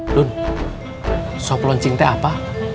dun sob launching itu apa